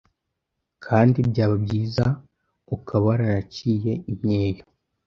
kandi byaba byiza ukaba waranaciye imyeyo,